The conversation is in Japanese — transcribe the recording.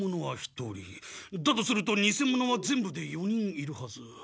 だとするとにせ者は全部で４人いるはず。